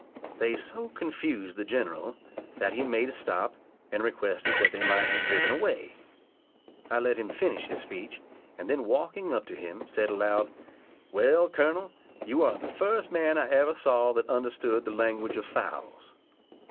They so confused the general, that he made a stop, and requested that they might be driven away. I let him finish his speech, and then walking up to him, said aloud, "Well, colonel, you are the first man I ever saw that understood the language of fowls."